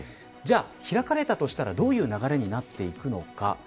じゃあ、開かれたとしたらどういう流れになっていくのか。